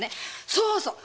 そうそう！